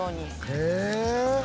へえ！